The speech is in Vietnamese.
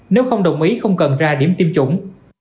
nếu không đồng ý không cần ra điểm tiêm chủng